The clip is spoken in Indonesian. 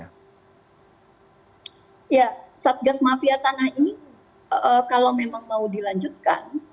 ya satgas mafia tanah ini kalau memang mau dilanjutkan